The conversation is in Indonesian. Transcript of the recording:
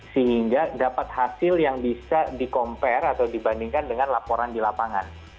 sehingga dapat hasil yang bisa di compare atau dibandingkan dengan laporan di lapangan